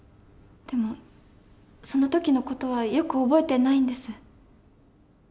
でもその時の事はよく覚えてないんです。